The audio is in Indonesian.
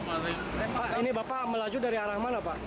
pak ini bapak melaju dari arah mana pak